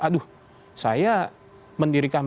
aduh saya mendirikan